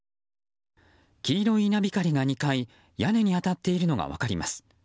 黄色い稲光が２回屋根に当たっているのが分かります。